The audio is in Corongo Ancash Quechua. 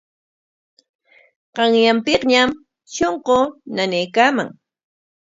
Qanyanpikñam shunquu nanaykaaman.